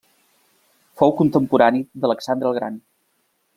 Fou contemporani d'Alexandre el Gran.